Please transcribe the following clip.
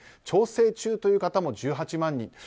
調整中という方も１８万人。